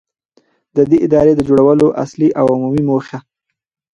، د دې ادارې د جوړولو اصلي او عمومي موخه.